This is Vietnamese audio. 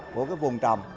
của cái vùng trầm